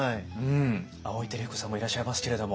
あおい輝彦さんもいらっしゃいますけれども。